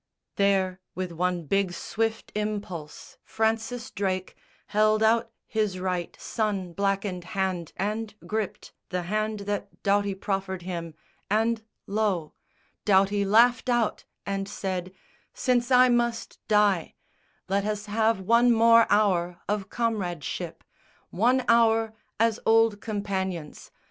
There, with one big swift impulse, Francis Drake Held out his right sun blackened hand and gripped The hand that Doughty proffered him; and lo, Doughty laughed out and said, "Since I must die, Let us have one more hour of comradeship, One hour as old companions.